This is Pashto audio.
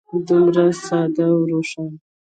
دومره ساده او روښانه.